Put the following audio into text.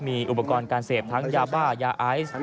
มีอุปกรณ์การเสพทั้งยาบ้ายาไอซ์